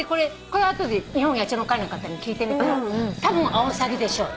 後で日本野鳥の会の方に聞いてみたらたぶんアオサギでしょう。